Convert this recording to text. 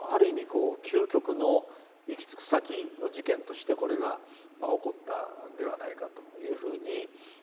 こう究極の行き着く先の事件としてこれが起こったんではないかというふうにまあ思ってるんですね。